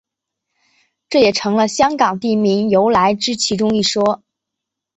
这也成了香港地名由来之其中一说。